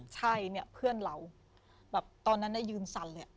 ใช่เนี่ยเพื่อนเราแบบตอนนั้นยืนสั่นเลย